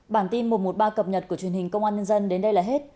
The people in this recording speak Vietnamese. bản tin một trăm một mươi ba cập nhật của truyền hình công an nhân dân đến đây là hết